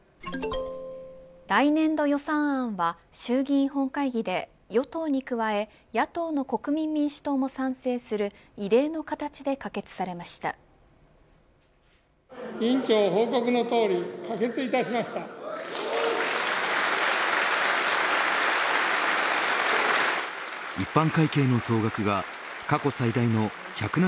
来年度予算案は衆議院本会議で与党に加え野党の国民民主党も賛成する異例の形で可決されました。